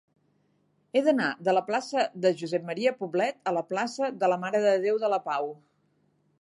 He d'anar de la plaça de Josep M. Poblet a la plaça de la Mare de Déu de la Pau.